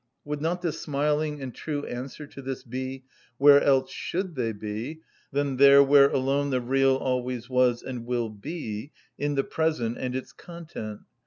Would not the smiling and true answer to this be, Where else should they be than there where alone the real always was and will be, in the present and its content?